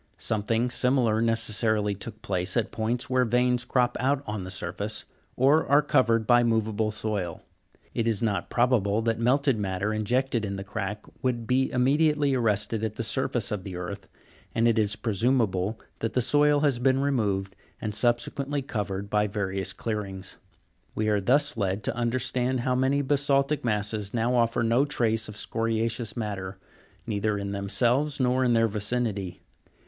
Something similar necessarily took place at points where veins crop out on the surface, or are covered by moveable soil (fig. 290) ; it is not probable that melted matter injected in the crack would be immedi ately arrested at the surface of the earth, and it is presumable that the soil has been removed and subsequently covered by various clearings. We are thus led to understand how so many basa'ltic masses now offer no trace of scoria'ceous matter, neither in themselves nor in their vicinity.